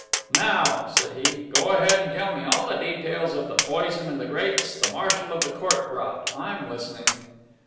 "Now," said he, "go ahead and tell me all the details of the poison and the grapes the marshal of the court brought. I'm listening."